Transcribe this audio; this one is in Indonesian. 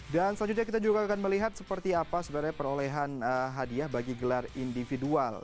dan selanjutnya kita juga akan melihat seperti apa sebenarnya perolehan hadiah bagi gelar individual